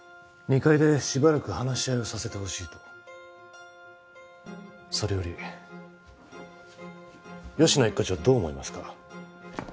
２階でしばらく話し合いをさせてほしいとそれより吉乃一課長はどう思いますか？